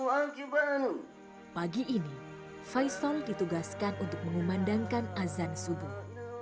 pagi ini faisal ditugaskan untuk mengumandangkan azan subuh